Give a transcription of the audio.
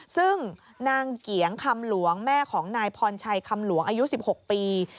ซึ่งนางเกียงคำหลวงแม่ของนายพรชัยคำหลวงอายุ๑๖ปี